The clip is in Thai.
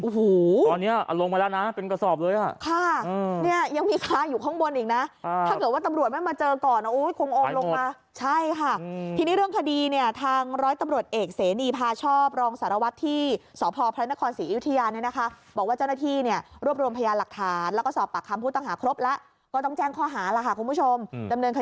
โอ้โหตอนนี้ลงไปแล้วนะเป็นกระสอบเลยค่ะค่ะเนี่ยยังมีคล้ายอยู่ข้างบนอีกนะถ้าเกิดว่าตำรวจมาเจอก่อนอุ้ยคงออมลงมาใช่ค่ะทีนี้เรื่องคดีเนี่ยทางร้อยตำรวจเอกเสนีพาชอบรองศาลวักษณ์ที่สพศศิษยุธิยานเนี่ยนะคะบอกว่าเจ้าหน้าที่เนี่ยรวบรวมพยานหลักฐานแล้วก็สอบปากคำผู้ต่าง